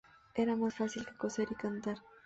Era más fácil que coser y cantar